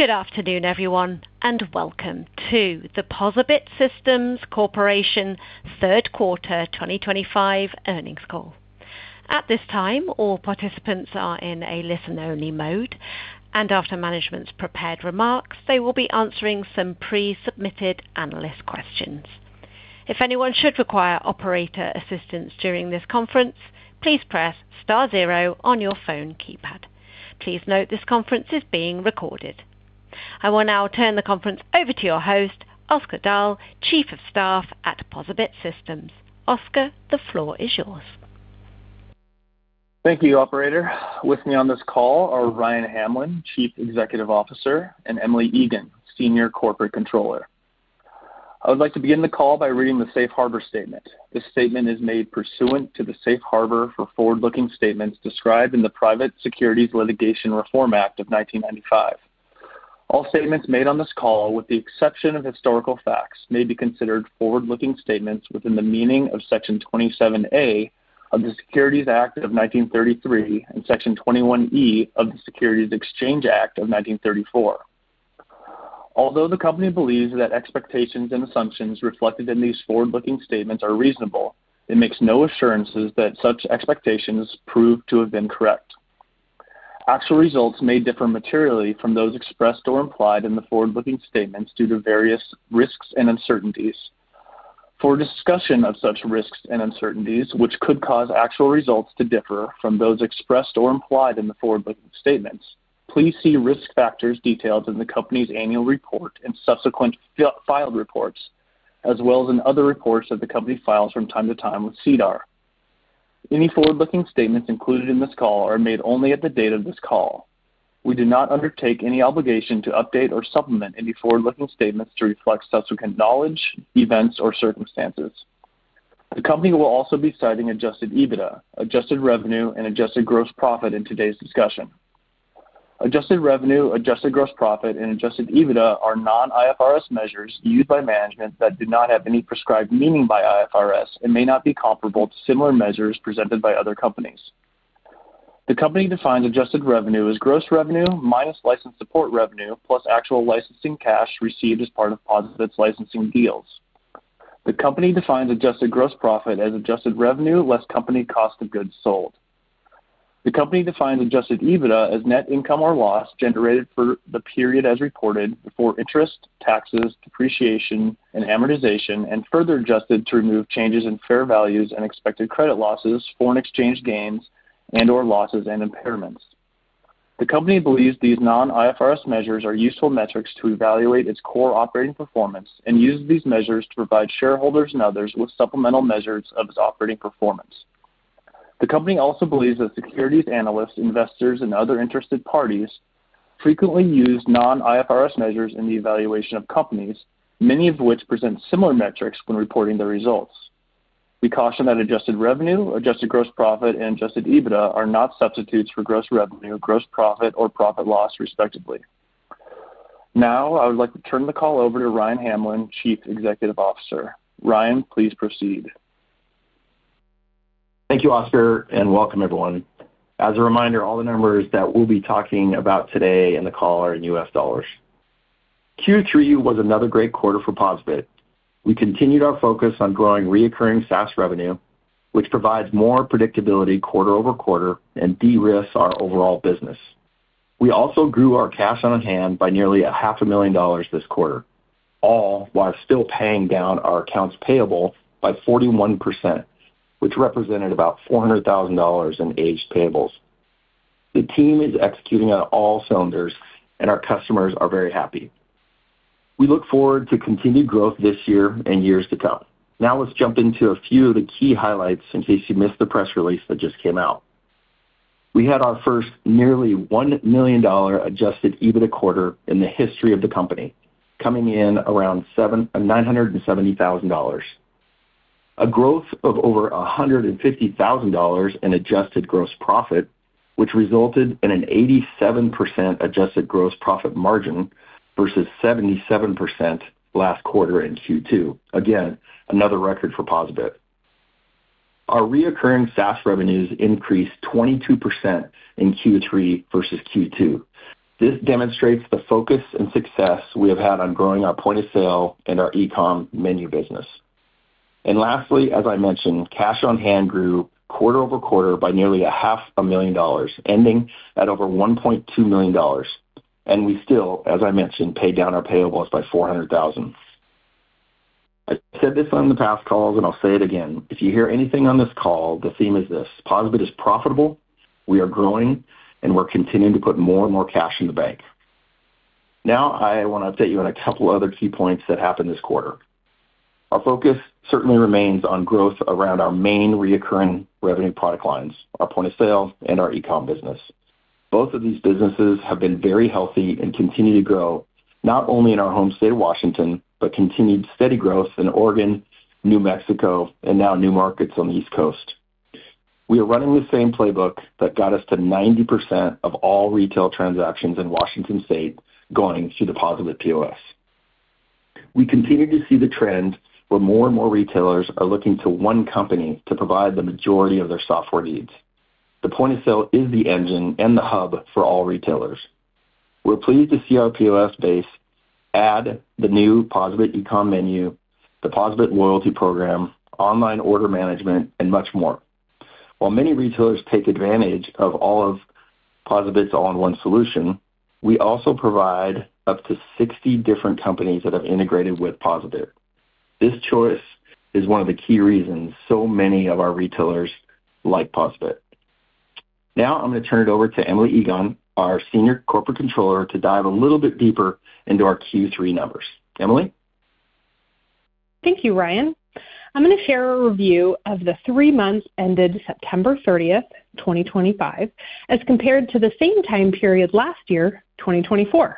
Good afternoon, everyone, and welcome to the POSaBIT Systems Corporation third quarter 2025 earnings call. At this time, all participants are in a listen-only mode, and after management's prepared remarks, they will be answering some pre-submitted analyst questions. If anyone should require operator assistance during this conference, please press star zero on your phone keypad. Please note this conference is being recorded. I will now turn the conference over to your host, Oscar Dahl, Chief of Staff at POSaBIT Systems. Oscar, the floor is yours. Thank you, Operator. With me on this call are Ryan Hamlin, Chief Executive Officer, and Emily Egan, Senior Corporate Controller. I would like to begin the call by reading the Safe Harbor Statement. This statement is made pursuant to the Safe Harbor for Forward-Looking Statements described in the Private Securities Litigation Reform Act of 1995. All statements made on this call, with the exception of historical facts, may be considered forward-looking statements within the meaning of Section 27A of the Securities Act of 1933 and Section 21E of the Securities Exchange Act of 1934. Although the company believes that expectations and assumptions reflected in these forward-looking statements are reasonable, it makes no assurances that such expectations prove to have been correct. Actual results may differ materially from those expressed or implied in the forward-looking statements due to various risks and uncertainties. For discussion of such risks and uncertainties, which could cause actual results to differ from those expressed or implied in the forward-looking statements, please see risk factors detailed in the company's annual report and subsequent filed reports, as well as in other reports that the company files from time to time with CDAR. Any forward-looking statements included in this call are made only at the date of this call. We do not undertake any obligation to update or supplement any forward-looking statements to reflect subsequent knowledge, events, or circumstances. The company will also be citing adjusted EBITDA, adjusted revenue, and adjusted gross profit in today's discussion. Adjusted revenue, adjusted gross profit, and adjusted EBITDA are non-IFRS measures used by management that do not have any prescribed meaning by IFRS and may not be comparable to similar measures presented by other companies. The company defines adjusted revenue as gross revenue minus license support revenue plus actual licensing cash received as part of POSaBIT's licensing deals. The company defines adjusted gross profit as adjusted revenue less company cost of goods sold. The company defines adjusted EBITDA as net income or loss generated for the period as reported before interest, taxes, depreciation, and amortization, and further adjusted to remove changes in fair values and expected credit losses, foreign exchange gains and/or losses and impairments. The company believes these non-IFRS measures are useful metrics to evaluate its core operating performance and uses these measures to provide shareholders and others with supplemental measures of its operating performance. The company also believes that securities analysts, investors, and other interested parties frequently use non-IFRS measures in the evaluation of companies, many of which present similar metrics when reporting their results. We caution that adjusted revenue, adjusted gross profit, and adjusted EBITDA are not substitutes for gross revenue, gross profit, or profit loss, respectively. Now, I would like to turn the call over to Ryan Hamlin, Chief Executive Officer. Ryan, please proceed. Thank you, Oscar, and welcome, everyone. As a reminder, all the numbers that we'll be talking about today in the call are in US dollars. Q3 was another great quarter for POSaBIT. We continued our focus on growing recurring SaaS revenue, which provides more predictability quarter-over-quarter and de-risks our overall business. We also grew our cash on hand by nearly $500,000 this quarter, all while still paying down our accounts payable by 41%, which represented about $400,000 in aged payables. The team is executing on all cylinders, and our customers are very happy. We look forward to continued growth this year and years to come. Now, let's jump into a few of the key highlights in case you missed the press release that just came out. We had our first nearly $1 million adjusted EBITDA quarter in the history of the company, coming in around $970,000. A growth of over $150,000 in adjusted gross profit, which resulted in an 87% adjusted gross profit margin versus 77% last quarter in Q2. Again, another record for POSaBIT. Our recurring SaaS revenues increased 22% in Q3 versus Q2. This demonstrates the focus and success we have had on growing our point of sale and our e-comm menu business. Lastly, as I mentioned, cash on hand grew quarter-over-quarter by nearly $500,000, ending at over $1.2 million. We still, as I mentioned, paid down our payables by $400,000. I said this on the past calls, and I'll say it again. If you hear anything on this call, the theme is this: POSaBIT is profitable, we are growing, and we're continuing to put more and more cash in the bank. Now, I want to update you on a couple of other key points that happened this quarter. Our focus certainly remains on growth around our main recurring revenue product lines, our point of sale, and our e-comm business. Both of these businesses have been very healthy and continue to grow, not only in our home state of Washington, but continued steady growth in Oregon, New Mexico, and now new markets on the East Coast. We are running the same playbook that got us to 90% of all retail transactions in Washington state going through the POSaBIT POS. We continue to see the trend where more and more retailers are looking to one company to provide the majority of their software needs. The point of sale is the engine and the hub for all retailers. We're pleased to see our POS base add the new POSaBIT e-comm menu, the POSaBIT loyalty program, online order management, and much more. While many retailers take advantage of all of POSaBIT's all-in-one solution, we also provide up to 60 different companies that have integrated with POSaBIT. This choice is one of the key reasons so many of our retailers like POSaBIT. Now, I'm going to turn it over to Emily Egan, our Senior Corporate Controller, to dive a little bit deeper into our Q3 numbers. Emily? Thank you, Ryan. I'm going to share a review of the three months ended September 30th, 2025, as compared to the same time period last year, 2024.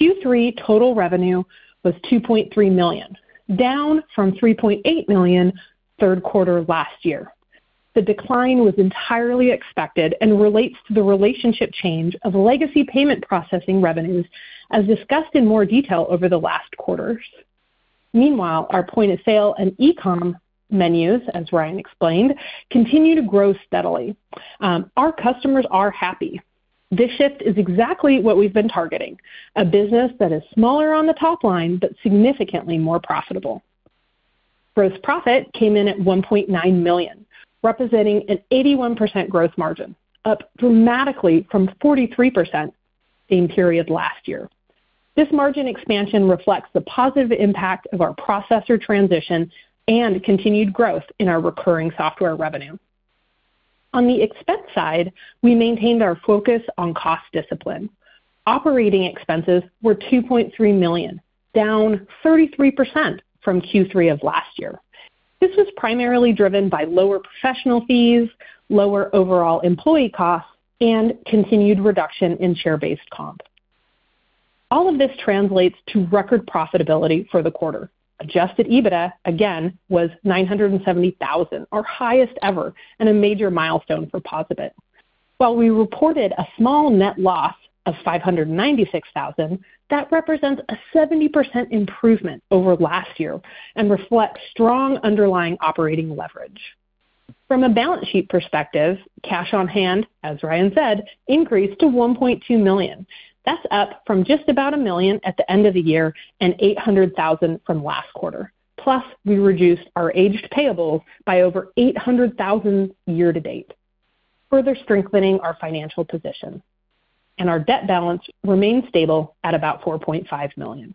Q3 total revenue was $2.3 million, down from $3.8 million third quarter last year. The decline was entirely expected and relates to the relationship change of legacy payment processing revenues, as discussed in more detail over the last quarters. Meanwhile, our point of sale and e-comm menus, as Ryan explained, continue to grow steadily. Our customers are happy. This shift is exactly what we've been targeting: a business that is smaller on the top line but significantly more profitable. Gross profit came in at $1.9 million, representing an 81% gross margin, up dramatically from 43% same period last year. This margin expansion reflects the positive impact of our processor transition and continued growth in our recurring software revenue. On the expense side, we maintained our focus on cost discipline. Operating expenses were $2.3 million, down 33% from Q3 of last year. This was primarily driven by lower professional fees, lower overall employee costs, and continued reduction in share-based comp. All of this translates to record profitability for the quarter. Adjusted EBITDA, again, was $970,000, our highest ever and a major milestone for POSaBIT. While we reported a small net loss of $596,000, that represents a 70% improvement over last year and reflects strong underlying operating leverage. From a balance sheet perspective, cash on hand, as Ryan said, increased to $1.2 million. That's up from just about a million at the end of the year and $800,000 from last quarter. Plus, we reduced our aged payables by over $800,000 year to date, further strengthening our financial position. Our debt balance remained stable at about $4.5 million.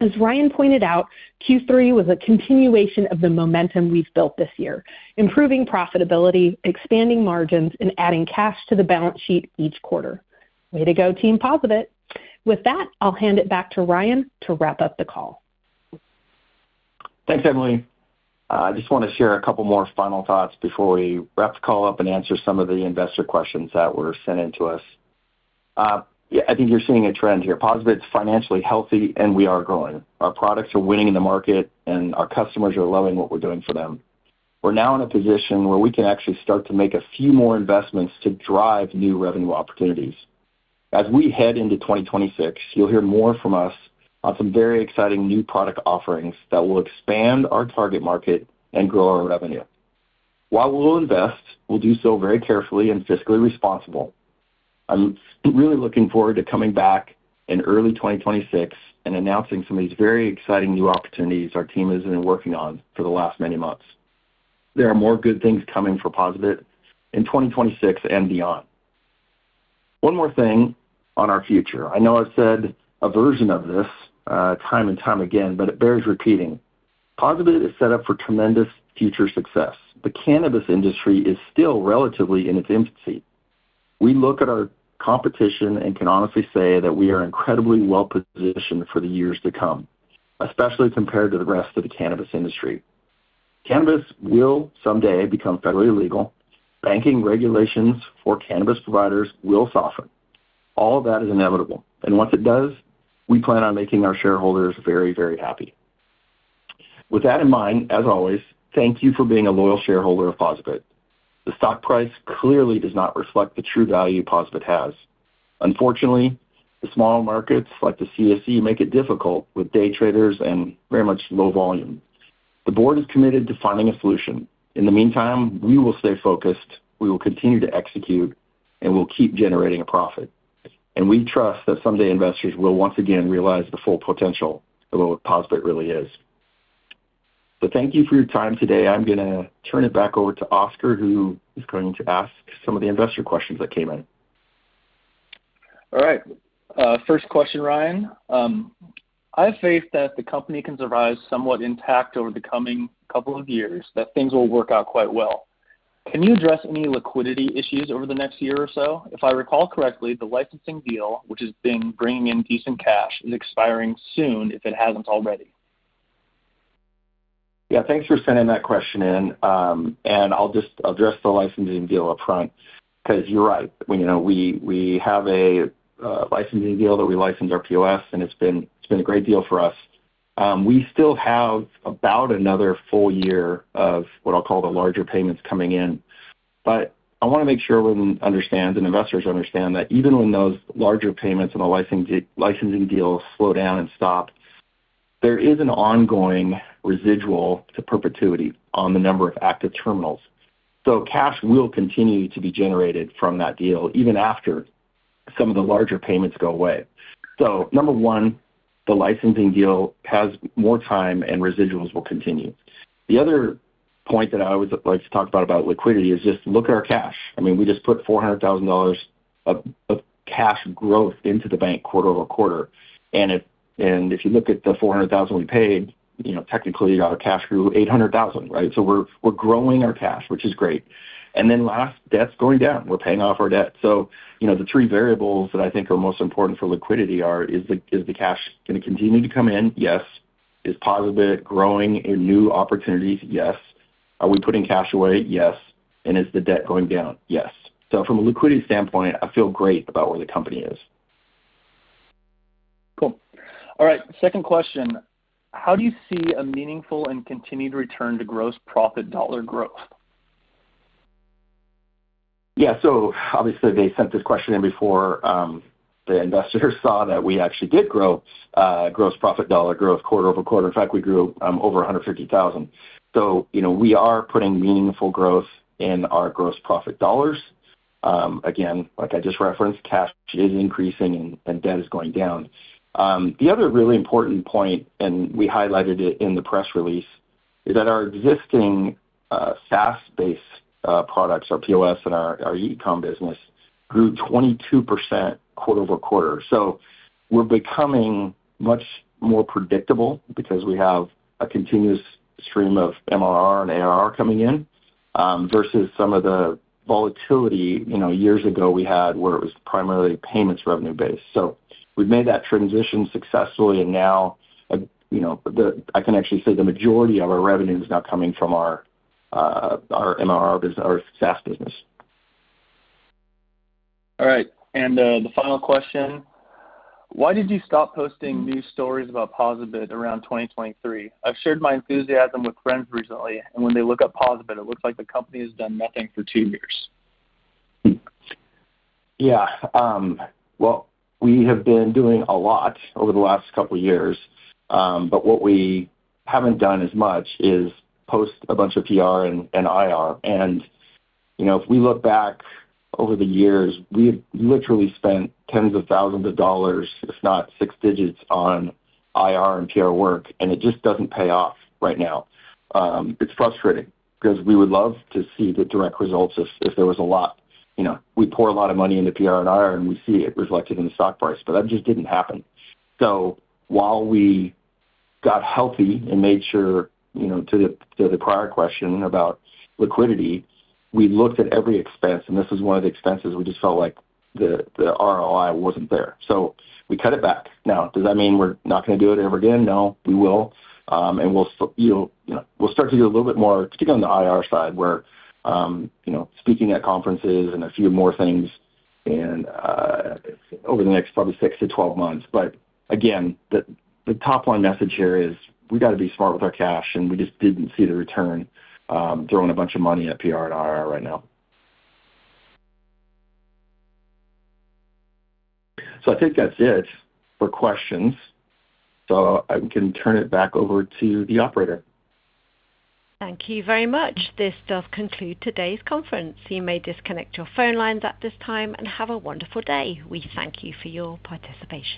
As Ryan pointed out, Q3 was a continuation of the momentum we've built this year, improving profitability, expanding margins, and adding cash to the balance sheet each quarter. Way to go, Team POSaBIT. With that, I'll hand it back to Ryan to wrap up the call. Thanks, Emily. I just want to share a couple more final thoughts before we wrap the call up and answer some of the investor questions that were sent in to us. I think you're seeing a trend here. POSaBIT's financially healthy, and we are growing. Our products are winning in the market, and our customers are loving what we're doing for them. We're now in a position where we can actually start to make a few more investments to drive new revenue opportunities. As we head into 2026, you'll hear more from us on some very exciting new product offerings that will expand our target market and grow our revenue. While we'll invest, we'll do so very carefully and fiscally responsible. I'm really looking forward to coming back in early 2026 and announcing some of these very exciting new opportunities our team has been working on for the last many months. There are more good things coming for POSaBIT in 2026 and beyond. One more thing on our future. I know I've said a version of this time and time again, but it bears repeating. POSaBIT is set up for tremendous future success. The cannabis industry is still relatively in its infancy. We look at our competition and can honestly say that we are incredibly well-positioned for the years to come, especially compared to the rest of the cannabis industry. Cannabis will someday become federally legal. Banking regulations for cannabis providers will soften. All of that is inevitable. Once it does, we plan on making our shareholders very, very happy. With that in mind, as always, thank you for being a loyal shareholder of POSaBIT. The stock price clearly does not reflect the true value POSaBIT has. Unfortunately, the small markets like the CSE make it difficult with day traders and very much low volume. The board is committed to finding a solution. In the meantime, we will stay focused. We will continue to execute, and we'll keep generating a profit. We trust that someday investors will once again realize the full potential of what POSaBIT really is. Thank you for your time today. I'm going to turn it back over to Oscar, who is going to ask some of the investor questions that came in. All right. First question, Ryan. I have faith that the company can survive somewhat intact over the coming couple of years, that things will work out quite well. Can you address any liquidity issues over the next year or so? If I recall correctly, the licensing deal, which has been bringing in decent cash, is expiring soon if it hasn't already. Yeah, thanks for sending that question in. I'll just address the licensing deal upfront because you're right. We have a licensing deal that we license our POS, and it's been a great deal for us. We still have about another full year of what I'll call the larger payments coming in. I want to make sure we understand, and investors understand, that even when those larger payments and the licensing deals slow down and stop, there is an ongoing residual to perpetuity on the number of active terminals. Cash will continue to be generated from that deal even after some of the larger payments go away. Number one, the licensing deal has more time, and residuals will continue. The other point that I always like to talk about liquidity is just look at our cash. I mean, we just put $400,000 of cash growth into the bank quarter-over-quarter. If you look at the $400,000 we paid, technically, our cash grew $800,000, right? We are growing our cash, which is great. Last, debt's going down. We are paying off our debt. The three variables that I think are most important for liquidity are: is the cash going to continue to come in? Yes. Is POSaBIT growing in new opportunities? Yes. Are we putting cash away? Yes. Is the debt going down? Yes. From a liquidity standpoint, I feel great about where the company is. Cool. All right. Second question. How do you see a meaningful and continued return to gross profit dollar growth? Yeah. So obviously, they sent this question in before the investors saw that we actually did grow gross profit dollar growth quarter-over-quarter. In fact, we grew over $150,000. So we are putting meaningful growth in our gross profit dollars. Again, like I just referenced, cash is increasing and debt is going down. The other really important point, and we highlighted it in the press release, is that our existing SaaS-based products, our POS and our e-comm business, grew 22% quarter-over-quarter. We are becoming much more predictable because we have a continuous stream of MRR and ARR coming in versus some of the volatility years ago we had where it was primarily payments revenue-based. We have made that transition successfully. Now, I can actually say the majority of our revenue is now coming from our MRR business, our SaaS business. All right. The final question. Why did you stop posting news stories about POSaBIT around 2023? I've shared my enthusiasm with friends recently, and when they look at POSaBIT, it looks like the company has done nothing for two years. Yeah. We have been doing a lot over the last couple of years. What we have not done as much is post a bunch of PR and IR. If we look back over the years, we have literally spent tens of thousands of dollars, if not six digits, on IR and PR work. It just does not pay off right now. It is frustrating because we would love to see the direct results if there was a lot. We pour a lot of money into PR and IR, and we see it reflected in the stock price. That just did not happen. While we got healthy and made sure to the prior question about liquidity, we looked at every expense. This was one of the expenses we just felt like the ROI was not there. We cut it back. Now, does that mean we're not going to do it ever again? No, we will. We'll start to do a little bit more, particularly on the IR side, where speaking at conferences and a few more things over the next probably 6-12 months. Again, the top-line message here is we've got to be smart with our cash, and we just didn't see the return throwing a bunch of money at PR and IR right now. I think that's it for questions. I can turn it back over to the operator. Thank you very much. This does conclude today's conference. You may disconnect your phone lines at this time and have a wonderful day. We thank you for your participation.